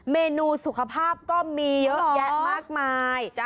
เมนูสุขภาพก็มีเยอะแยะมากมาย